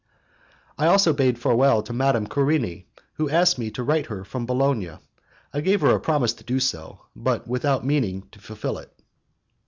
I also bade farewell to Madame Querini, who asked me to write to her from Bologna. I gave her a promise to do so, but without meaning to fulfil it.